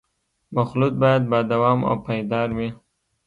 مخلوط باید با دوام او پایدار وي